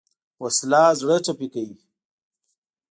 وسله زړه ټپي کوي